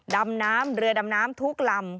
ดำน้ำเรือดำน้ำทุกลำ